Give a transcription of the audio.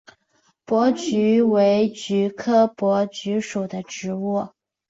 珀菊为菊科珀菊属的植物。